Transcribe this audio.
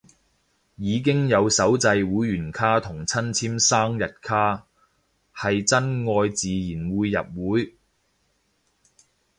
已經有手製會員卡同親簽生日卡，係真愛自然會入會